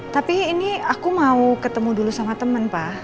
tapi ini aku mau ketemu dulu sama temen pak